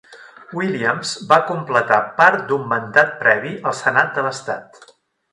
Williams va completar part d'un mandat previ al senat de l'Estat.